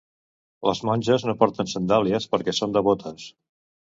Les monges no porten sandàlies perquè són devotes.